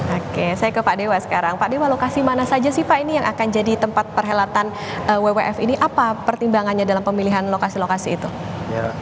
oke saya ke pak dewa sekarang pak dewa lokasi mana saja sih pak ini yang akan jadi tempat perhelatan wwf ini apa pertimbangannya dalam pemilihan lokasi lokasi itu